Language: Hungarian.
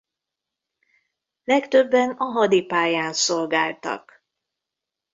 Legtöbben a hadi pályán szolgáltak.